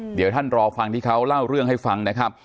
เดี๋ยวท่านรอฟังที่เขาเล่าเรื่องให้ฟังนะครับ